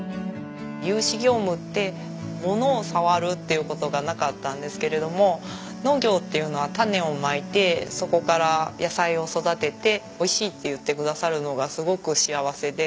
融資業務ってものを触るっていう事がなかったんですけれども農業っていうのは種をまいてそこから野菜を育てて「美味しい」って言ってくださるのがすごく幸せで。